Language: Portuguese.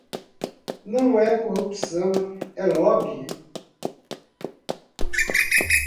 Não é corrupção, é lobby